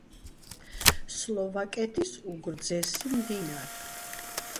სლოვაკეთის უგრძესი მდინარე.